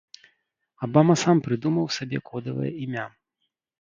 Абама сам прыдумаў сабе кодавае імя.